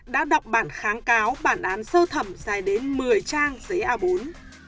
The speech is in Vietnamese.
đã đọc bản kháng cáo bản án sơ thẩm dài đến một mươi trang giấy a bốn